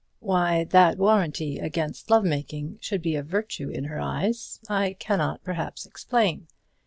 Why that warranty against love making should be a virtue in her eyes I cannot, perhaps, explain.